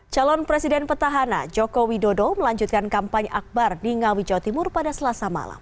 calon presiden petahana joko widodo melanjutkan kampanye akbar di ngawi jawa timur pada selasa malam